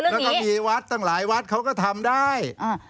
แล้วก็มีวัดตั้งหลายวัดเขาก็ทำได้